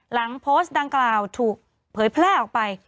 หลังโพสต์ดังกล่าวถูกเผยแพร่ออกไป